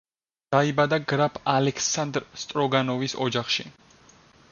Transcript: დაიბადა გრაფ ალექსანდრ სტროგანოვის ოჯახში.